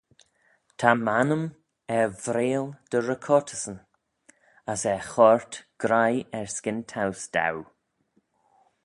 Ta m'annym er vreayll dty recortyssyn: as er choyrt graih erskyn towse daue.